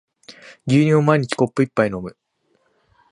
牛乳を毎日コップ一杯飲む